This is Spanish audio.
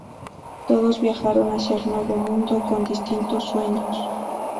Todos viajaron hacia el Nuevo Mundo con distintos sueños.